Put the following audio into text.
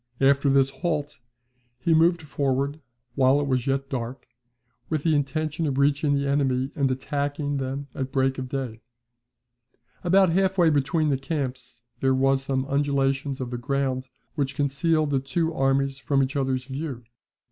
After this halt, he moved forward, while it was yet dark, with the intention of reaching the enemy, and attacking them at break of day. About half way between the camps there were some undulations of the ground, which concealed the two armies from each other's view.